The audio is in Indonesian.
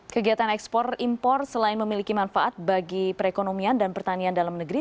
kegiatan ekspor impor selain memiliki manfaat bagi perekonomian dan pertanian dalam negeri